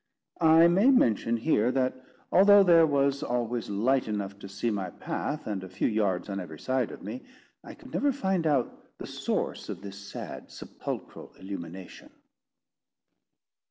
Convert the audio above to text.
I may mention here, that although there was always light enough to see my path and a few yards on every side of me, I never could find out the source of this sad sepulchral illumination.